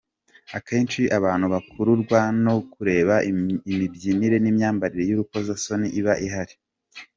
Akenshi abantu bakururwa no kureba imibyinire n’imyambarire y’urukoza soni iba ihari.